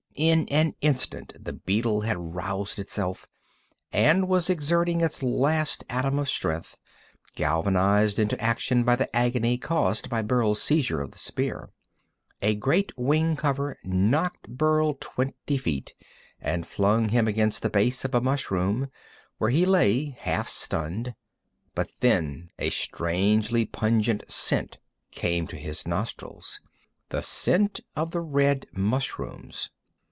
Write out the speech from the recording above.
In an instant the beetle had roused itself, and was exerting its last atom of strength, galvanized into action by the agony caused by Burl's seizure of the spear. A great wing cover knocked Burl twenty feet, and flung him against the base of a mushroom, where he lay, half stunned. But then a strangely pungent scent came to his nostrils the scent of the red mushrooms!